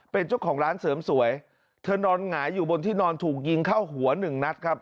เป็นเจ้าของร้านเสริมสวยเธอนอนหงายอยู่บนที่นอนถูกยิงเข้าหัวหนึ่งนัดครับ